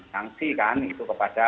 sanksi kan itu kepada